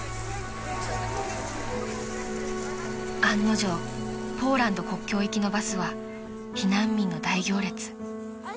［案の定ポーランド国境行きのバスは避難民の大行列］